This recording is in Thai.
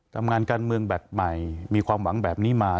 ทำงานการเมืองแบบใหม่มีความหวังแบบนี้มา